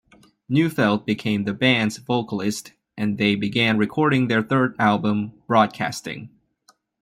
Neufeld became the band's vocalist, and they began recording their third album "Broadcasting".